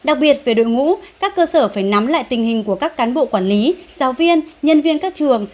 đặc biệt về đội ngũ các cơ sở phải nắm lại tình hình của các cán bộ quản lý giáo viên nhân viên các trường